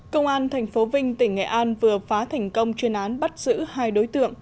công an tp vinh tỉnh nghệ an vừa phá thành công chuyên án bắt giữ hai đối tượng